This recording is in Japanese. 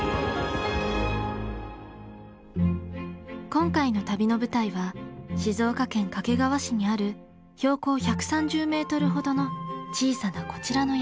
今回の旅の舞台は静岡県掛川市にある標高１３０ｍほどの小さなこちらの山。